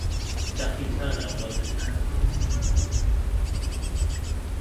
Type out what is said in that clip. Duffy Turner was an anarchist.